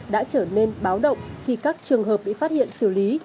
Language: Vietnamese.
đã trở nên báo động khi các trường hợp bị phát hiện xử lý